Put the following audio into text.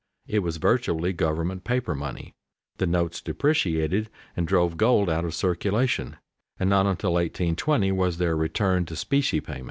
It was virtually government paper money. The notes depreciated and drove gold out of circulation, and not until 1820 was there a return to specie payments.